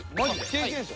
経験者。